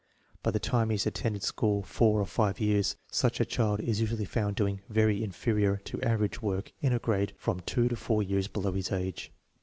By the time he has attended school four or five years, such a child is usually found doing " very inferior " to " average " work in a grade from two to four years below his age.